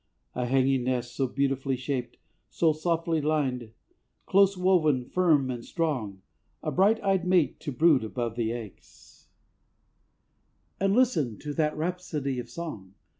A hanging nest so beautifully shaped, So softly lined, close woven, firm and strong, A bright eyed mate to brood above the eggs, And listen to that rhapsody of song.